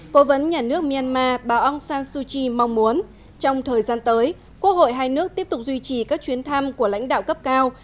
cố vấn nhà nước myanmar bà aung san suu kyi mong muốn trong thời gian tới quốc hội hai nước tiếp tục duy trì các chuyến thăm của lãnh đạo cấp cao